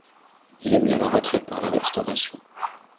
Il est mis à la retraite par la Restauration.